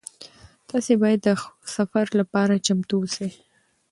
تاسي باید د سفر لپاره چمتو اوسئ.